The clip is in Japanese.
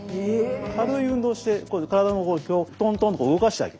軽い運動して体の方トントンと動かしてあげる。